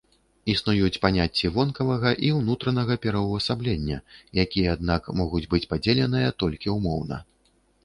Існуюць паняцці вонкавага і ўнутранага пераўвасаблення, якія, аднак, могуць быць падзеленыя толькі ўмоўна.